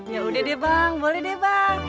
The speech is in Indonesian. yaudah deh bang boleh deh bang